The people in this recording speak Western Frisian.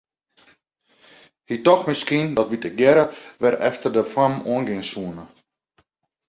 Hy tocht miskien dat wy tegearre wer efter de fammen oan gean soene.